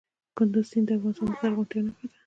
کندز سیند د افغانستان د زرغونتیا نښه ده.